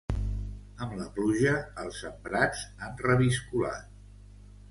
Amb la pluja, els sembrats han reviscolat.